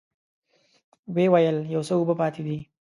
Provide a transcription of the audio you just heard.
ويې ويل: يو څه اوبه پاتې دي.